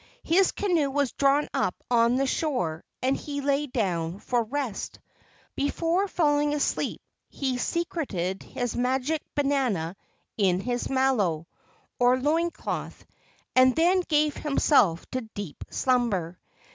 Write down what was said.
His canoe was drawn up on the shore and he lay down for rest. Before falling asleep he se¬ creted his magic banana in his malo, or loin¬ cloth, and then gave himself to deep slumber.